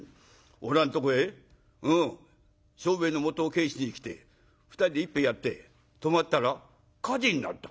おらんとこへ商売の元を返しに来て２人で一杯やって泊まったら火事になった。